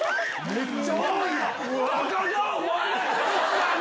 めっちゃ重いな！